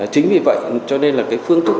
chính vì vậy cho nên là phương thức này